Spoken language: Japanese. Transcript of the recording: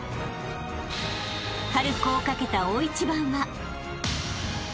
［春高をかけた大一番は］